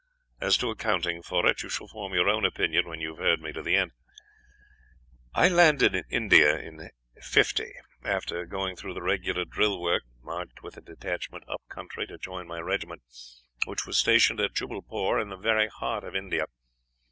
As to accounting for it, you shall form your own opinion when you have heard me to the end. "I landed in India in '50, and after going through the regular drill work marched with a detachment up country to join my regiment, which was stationed at Jubbalpore, in the very heart of India.